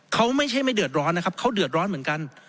เขาไม่ใช่ไม่เดือดร้อนนะครับเขาเดือดร้อนเหมือนกัน